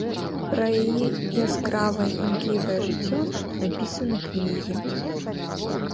Пра яе яскравае імклівае жыццё напісаныя кнігі.